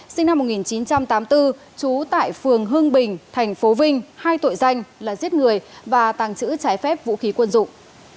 sinh năm một nghìn chín trăm tám mươi bốn trú tại phường hưng bình tp vinh hai tội danh là giết người và tàng trữ trái phép vũ khí quân dụng